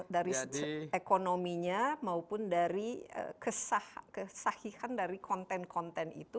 dari ekonominya maupun dari kesahihan dari konten konten itu